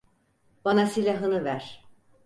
Bana silahını ver.